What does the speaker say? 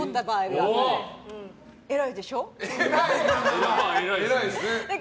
まあ、偉いですね。